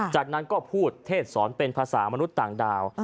จากนั้นก็พูดเทศสอนเป็นภาษามนุษย์ต่างดาว